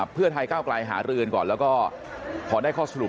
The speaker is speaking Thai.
เพื่อไทยก้าวไกลหารือก่อนแล้วก็พอได้ข้อสรุป